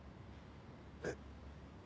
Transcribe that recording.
えっ？